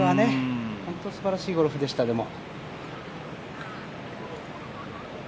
本当にすばらしいゴルフでした、でも。